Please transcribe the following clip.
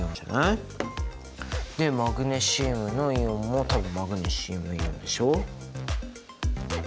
でマグネシウムのイオンも多分「マグネシウムイオン」でしょ？